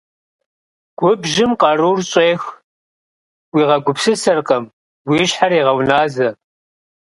Губжьым къарур щӀех, уигъэгупсысэркъым, уи щхьэр егъэуназэ.